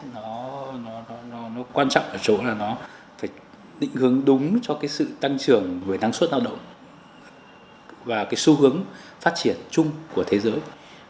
nó quan trọng ở chỗ là nó phải định hướng đúng cho cái sự tăng trưởng về năng suất lao động và cái xu hướng phát triển chung của thế giới